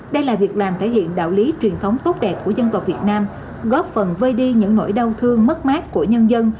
đây là việc làm thể hiện đạo lý truyền thống tốt đẹp của dân tộc việt nam góp phần vơi đi những nỗi đau thương mất mát của nhân dân